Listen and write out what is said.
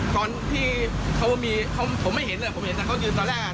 ตอนที่เขาไม่มีผมไม่เห็นเลยผมเห็นแต่เขายืนตอนแรก